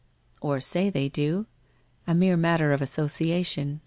' Or say they do ? A mere matter of association.